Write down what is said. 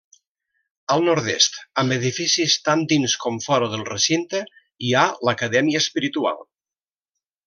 Al nord-est, amb edificis tant dins com fora del recinte, hi ha l'Acadèmia Espiritual.